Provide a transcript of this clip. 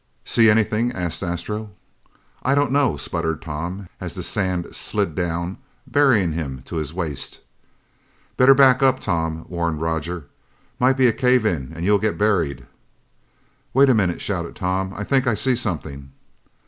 "See anything?" asked Astro. "I don't know " spluttered Tom as the sand slid down burying him to his waist. "Better back up, Tom," warned Roger. "Might be a cave in and you'll get buried." "Wait a minute!" shouted Tom. "I think I see something!"